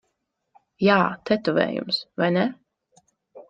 Jā, tetovējums. Vai ne?